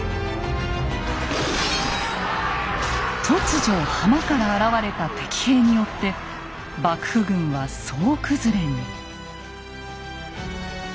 突如浜から現れた敵兵によって幕府軍は総崩れに。